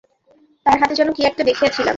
তার হাতে যেন কী একটা দেখিয়াছিলাম।